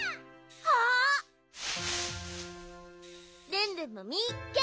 ルンルンもみっけ！